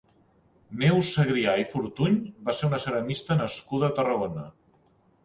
Neus Segrià i Fortuny va ser una ceramista nascuda a Tarragona.